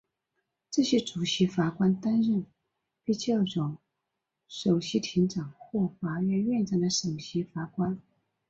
这些主席法官担任被叫作首席庭长或法院院长的首席法官。